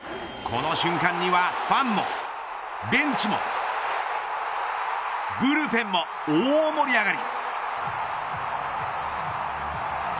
この瞬間にはファンもベンチもブルペンも大盛り上がり。